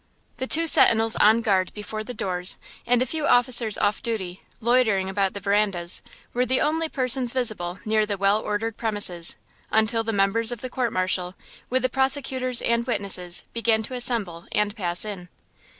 The two sentinels on guard before the doors and a few officers off duty, loitering about the verandas, were the only persons visible near the well ordered premises, until the members of the court martial, with the prosecutors and witnesses, began to assemble and pass in.